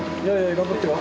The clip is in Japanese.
頑張ってよ。